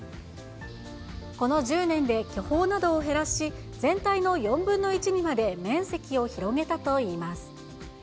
この１０年で巨峰などを減らし、全体の４分の１にまで面積を広げたといいます。